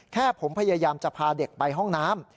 แค่ผมพยายามจะพาเด็กไปห้องน้ำ